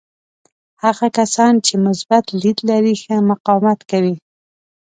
هغه کسان چې مثبت لید لري ښه مقاومت کوي.